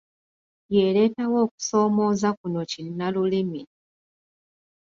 Y'ereetawo okusoomooza kuno kinnalulimi.